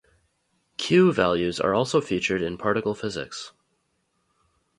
"Q" values are also featured in particle physics.